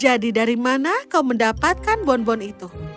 dari mana kau mendapatkan bonbon itu